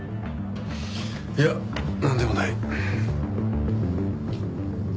いやなんでもない。